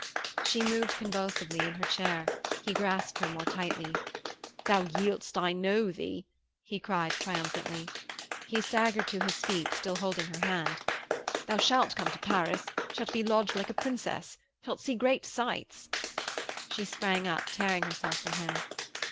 She moved convulsively in her chair. He grasped her more tightly. 'Thou yieldest, I know thee!' he cried triumphantly. He staggered to his feet, still holding her hand. 'Thou shalt come to Paris. Sha't be lodged like a Princess. Sha't see great sights.' She sprang up, tearing herself from him.